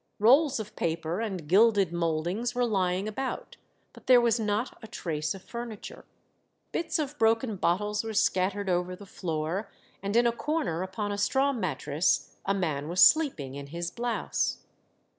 Rolls of paper and gilded mouldings were lying about, but there was not a trace of furniture. Bits of broken bottles were scattered over the floor, and in a corner, upon a straw mattress, a man was sleeping in his blouse.